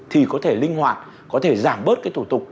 thì có thể linh hoạt có thể giảm bớt cái thủ tục